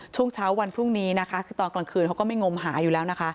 ช่วงเช้าวันพรุ่งนี้นะคะคือตอนกลางคืนเขาก็ไม่งมหาอยู่แล้วนะคะ